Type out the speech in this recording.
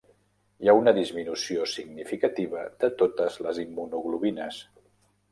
Hi ha una disminució significativa de totes les immunoglobulines.